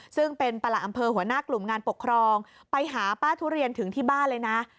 ซึ่งเป็นประหลัดอำเภอหัวหน้ากลุ่มงานปกครองไปหาป้าทุเรียนถึงที่บ้านเลยนะ